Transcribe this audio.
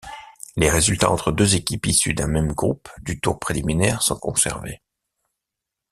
Les résultats entre deux équipes issues d'un même groupe du tour préliminaire sont conservés.